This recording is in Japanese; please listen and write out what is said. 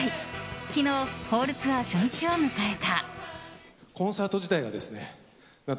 昨日、ホールツアー初日を迎えた。